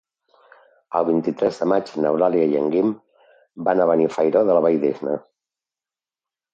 El vint-i-tres de maig n'Eulàlia i en Guim van a Benifairó de la Valldigna.